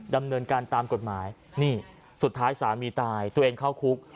ดำเนินการตามกฎหมายนี่สุดท้ายสามีตายตัวเองเข้าคุก